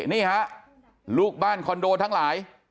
นี่ฮะลูกบ้านคอนโดทั้งหลาย